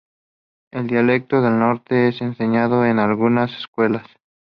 El dialecto del norte es enseñado en algunas escuelas.